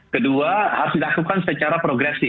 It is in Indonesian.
kedua harus dilakukan secara progresif